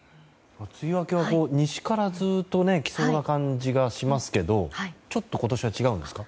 梅雨明けは西からずっと来そうな感じがしますけどちょっと今年は違うんですか？